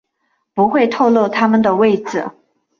不会透漏他们的位置